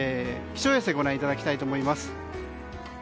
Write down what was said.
気象衛星をご覧いただきたいと思います。